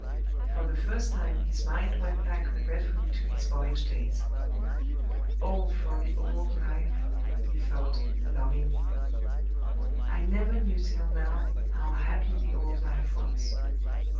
For the first time his mind went back regretfully to his boyish days. "Oh, for the old life!" he thought, longingly. "I never knew till now how happy the old life was!"